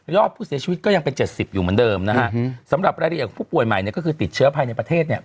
อดผู้เสียชีวิตก็ยังเป็น๗๐อยู่เหมือนเดิมนะฮะสำหรับรายละเอียดของผู้ป่วยใหม่เนี่ยก็คือติดเชื้อภายในประเทศเนี่ย